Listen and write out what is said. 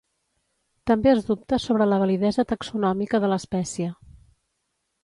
També es dubta sobre la validesa taxonòmica de l'espècie.